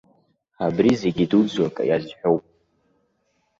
Абри зегьы идуӡӡоу акы иазҳәоуп.